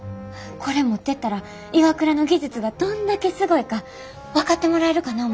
これ持ってったらＩＷＡＫＵＲＡの技術がどんだけすごいか分かってもらえるかな思て。